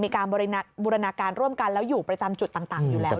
มีการบูรณาการร่วมกันแล้วอยู่ประจำจุดต่างอยู่แล้ว